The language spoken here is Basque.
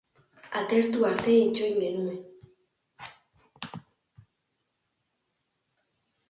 Atertu arte itxoin genuen.